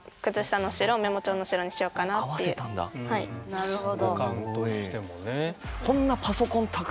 なるほど。